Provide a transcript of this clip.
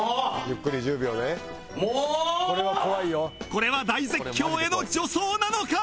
これは大絶叫への助走なのか？